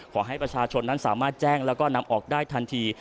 ขอให้ประชาชนนั้นสามารถแจ้งแล้วก็นำออกได้ทันที